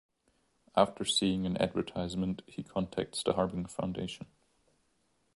After seeing an advertisement he contacts the Harbinger Foundation.